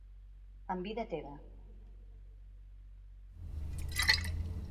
En vida teva.